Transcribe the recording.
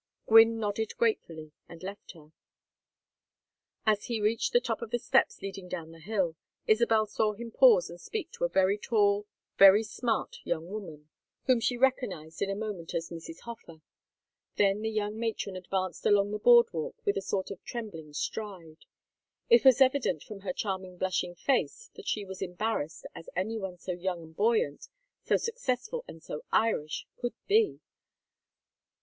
Gwynne nodded gratefully and left her. As he reached the top of the steps leading down the hill, Isabel saw him pause and speak to a very tall very smart young woman, whom she recognized in a moment as Mrs. Hofer. Then the young matron advanced along the board walk with a sort of trembling stride. It was evident from her charming blushing face that she was as embarrassed as any one so young and buoyant, so successful and so Irish, could be.